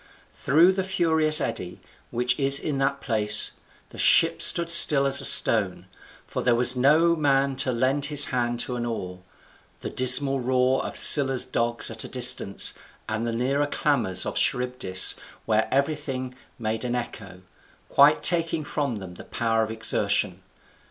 Through the furious eddy, which is in that place, the ship stood still as a stone, for there was no man to lend his hand to an oar, the dismal roar of Scylla's dogs at a distance, and the nearer clamours of Charybdis, where everything made an echo, quite taking from them the power of exertion.